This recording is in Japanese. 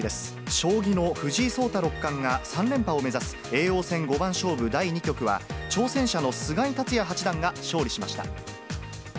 将棋の藤井聡太六冠が３連覇を目指す、叡王戦五番勝負第２局は、挑戦者の菅井竜也八段が勝利しました。